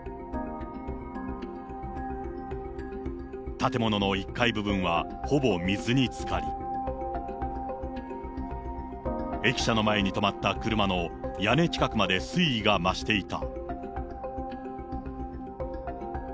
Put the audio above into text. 建物の１階部分はほぼ水につかり、駅舎の前に止まった車の屋根近くまで水位が増していた。